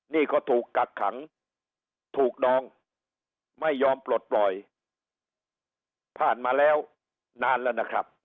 นี่ก็ถูกกักขังถูกดองไม่ยอมปลดปล่อยผ่านมาแล้วนานแล้วนะครับ